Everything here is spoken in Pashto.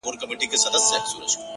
كله ‘كله ديدنونه زما بــدن خــوري’